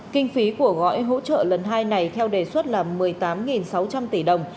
kinh phí của gói hỗ trợ lần hai này theo đề xuất là một mươi tám sáu trăm linh tỷ đồng